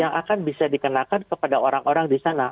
yang akan bisa dikenakan kepada orang orang disana